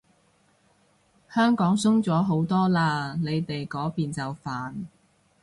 香港鬆咗好多嘞，你哋嗰邊就煩